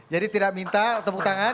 jadi tidak minta tepuk tangan